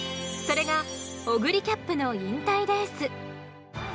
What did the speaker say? それがオグリキャップの引退レース。